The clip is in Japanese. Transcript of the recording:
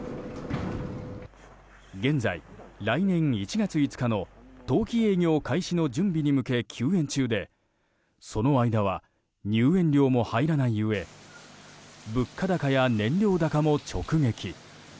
現在、来年１月５日の冬季営業開始の準備に向け休園中で、その間は入園料も入らないうえ物価高や燃料高も直撃。